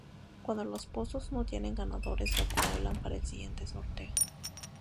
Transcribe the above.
Cuando los pozos no tienen ganadores, se acumulan para el siguiente sorteo.